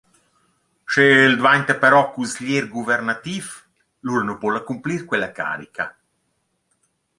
Sch’el dvainta però cusglier guverantiv –lura nu po’l accumplir quella carica.